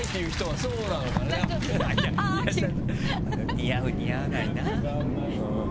似合う似合わないな。